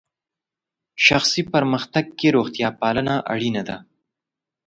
شخصي پرمختګ کې روغتیا پالنه اړینه ده.